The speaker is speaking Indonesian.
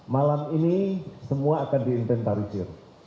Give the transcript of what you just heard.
malam ini semua akan diinventarisir